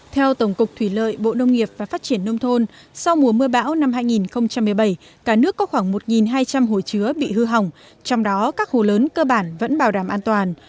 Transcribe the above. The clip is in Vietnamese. theo tổng cục thủy lợi bộ nông nghiệp và phát triển nông thôn sau mùa mưa bão năm hai nghìn một mươi bảy cả nước có khoảng một hai trăm linh hồ chứa bị hư hỏng trong đó các hồ lớn cơ bản vẫn bảo đảm an toàn